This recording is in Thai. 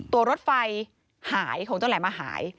ตัวรถไฟหายของเจ้าแหลมมาหาย